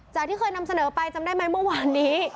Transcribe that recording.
ที่เคยนำเสนอไปจำได้ไหมเมื่อวานนี้